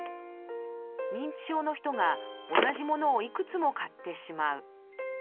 認知症の人が同じ物をいくつも買ってしまう。